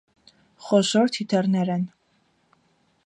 Խոշոր թիթեռներ են։